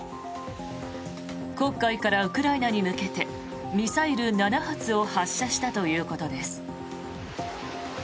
黒海からウクライナに向けてミサイル７発を発射したということです。